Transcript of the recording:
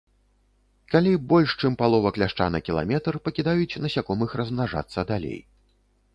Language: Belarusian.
Калі больш, чым палова кляшча на кіламетр, пакідаюць насякомых размнажацца далей.